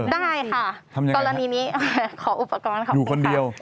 ได้ค่ะกรณีนี้